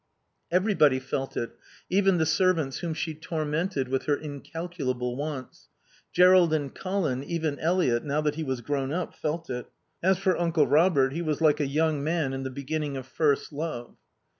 Everybody felt it, even the servants whom she tormented with her incalculable wants. Jerrold and Colin, even Eliot, now that he was grown up, felt it. As for Uncle Robert he was like a young man in the beginning of first love.